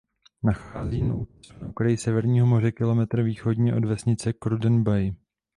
Nachází na útesu na okraji Severního moře kilometr východně od vesnice Cruden Bay.